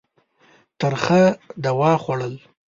ترخه دوا خوړل.